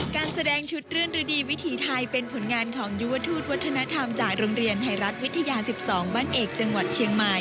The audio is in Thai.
การแสดงชุดรื่นฤดีวิถีไทยเป็นผลงานของยุวทูตวัฒนธรรมจากโรงเรียนไทยรัฐวิทยา๑๒บ้านเอกจังหวัดเชียงใหม่